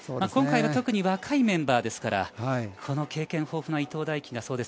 今回は特に若いメンバーですからこの経験豊富な伊東大貴が。